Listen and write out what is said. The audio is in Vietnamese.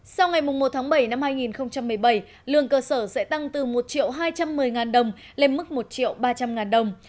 sau ngày một tháng bảy năm hai nghìn một mươi bảy lương cơ sở sẽ tăng từ một hai trăm một mươi đồng lên mức một triệu ba trăm linh ngàn đồng